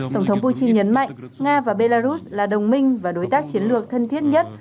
tổng thống putin nhấn mạnh nga và belarus là đồng minh và đối tác chiến lược thân thiết nhất